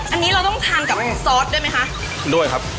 อันนี้เราต้องทานกับซอสด้วยไหมคะด้วยครับ